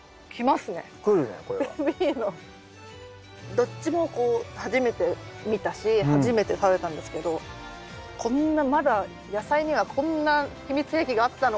どっちもこう初めて見たし初めて食べたんですけどこんなまだ野菜にはこんな秘密兵器があったのかと。